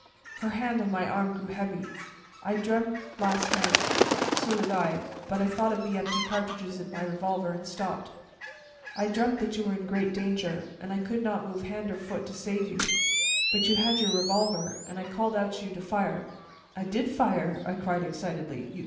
Her hand on my arm grew heavy. "I dreamed last night " "So did I " but I thought of the empty cartridges in my revolver, and stopped. "I dreamed that you were in great danger, and I could not move hand or foot to save you; but you had your revolver, and I called out to you to fire " "I did fire!" I cried excitedly.